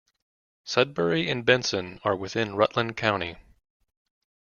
Sudbury and Benson are within Rutland County.